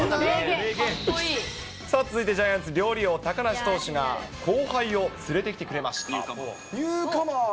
さあ、ジャイアンツ、料理王、高梨投手が後輩を連れてきてくれニューカマー。